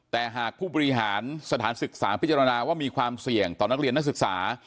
แต่หากผู้บริหารสถานศึกษาพิจารณาว่ามีความเสี่ยงต่อนักเรียนนักศึกษา